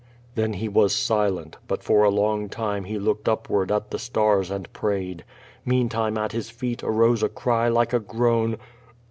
Then he was silent, but for a long time he looked upward at the stars and prayed. Meantime at his feet arose a cry like a groan.